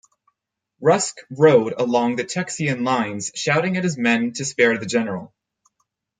Rusk rode along the Texian lines, shouting at his men to spare the general.